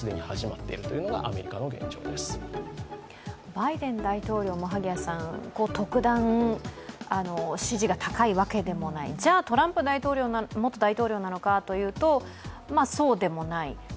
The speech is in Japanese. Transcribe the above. バイデン大統領も特段支持が高いわけでもない、じゃあ、トランプ前大統領なのかというとそうでもない。